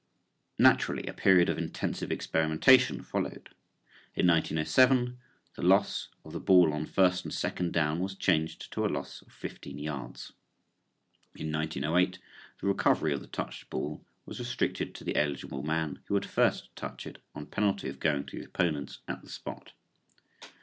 Naturally a period of intensive experimentation followed. In 1907 the loss of the ball on first and second down was changed to a loss of fifteen yards. (Football Guide for 1907, pp. 137 and 168.) In 1908 the recovery of the touched ball was restricted to the eligible man who had first touched it on penalty of going to the opponents at the spot.